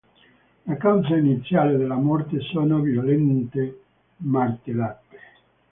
La causa iniziale della morte sono violente martellate.